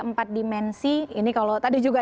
empat dimensi ini kalau tadi juga